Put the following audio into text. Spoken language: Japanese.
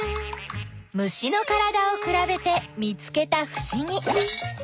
虫のからだをくらべて見つけたふしぎ。